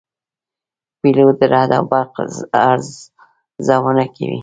پیلوټ د رعد او برق ارزونه کوي.